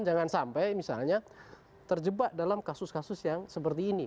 jangan sampai misalnya terjebak dalam kasus kasus yang seperti ini